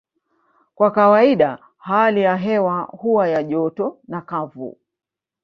Kwa kawaida hali ya hewa huwa ya joto na kavu